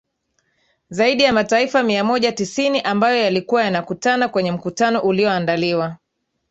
zaidi ya mataifa mia moja tisini ambayo yalikuwa yanakutana kwenye mkutano ulioandaliwa